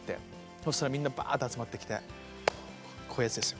そしたらみんなばって集まってきてこういうやつですよ。